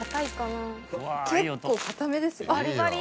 結構硬めですよあっ。